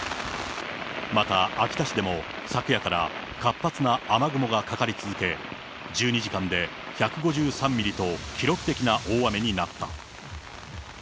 また秋田市でも、昨夜から活発な雨雲がかかり続け、１２時間で１５３ミリと、記録的な大雨になった。